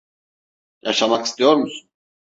Yaşamak istiyor musun?